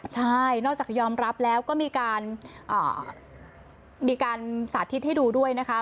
ใช่นอกจากยอมรับแล้วก็มีการสาธิตให้ดูด้วยนะคะ